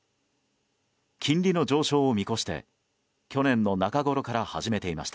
金利の上昇を見越して去年の中ごろから始めていました。